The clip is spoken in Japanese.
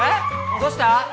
どうした？